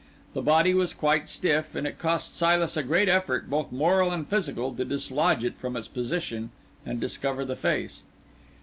The body was quite stiff, and it cost Silas a great effort, both moral and physical, to dislodge it from its position, and discover the face.